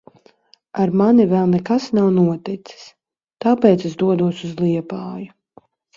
Ar mani vēl nekas nav noticis. Tāpēc es dodos uz Liepāju.